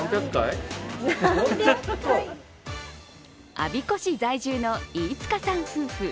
我孫子市在住の飯塚さん夫婦。